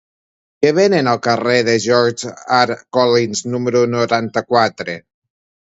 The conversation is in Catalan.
Què venen al carrer de George R. Collins número noranta-quatre?